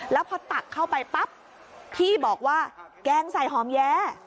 แล้วพอตักเข้าไปปั๊บพี่บอกว่าแกงใส่หอมแย้